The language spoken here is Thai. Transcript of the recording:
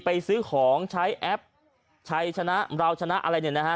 ไปซื้อของใช้แอปชัยชนะเราชนะอะไรเนี่ยนะฮะ